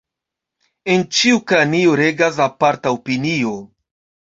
En ĉiu kranio regas aparta opinio.